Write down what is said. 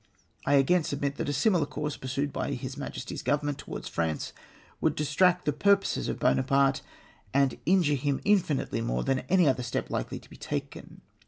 I again submit that a similar com se pursued by His 3Lnjesty's Grovernment towards France would distract the purposes of Buonaparte, and injure him infinitely more than any other step likely to be taken.